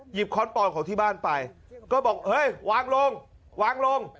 ค้อนปอนของที่บ้านไปก็บอกเฮ้ยวางลงวางลง